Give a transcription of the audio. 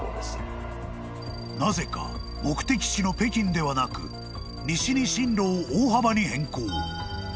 ［なぜか目的地の北京ではなく西に針路を大幅に変更］